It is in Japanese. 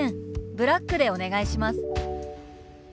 ブラックでお願いします」。